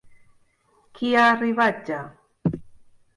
Qui ha arribat ja?